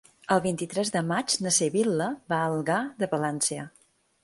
El vint-i-tres de maig na Sibil·la va a Algar de Palància.